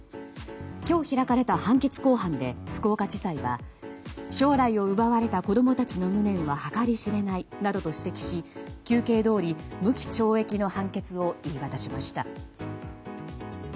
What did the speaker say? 今日開かれた判決公判で福岡地裁は将来を奪われた子供たちの無念は計り知れないなどと指摘して求刑どおり、無期懲役の判決を言い渡しました。